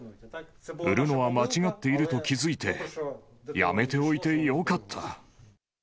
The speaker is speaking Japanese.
売るのは間違っていると気付いて、やめておいてよかった。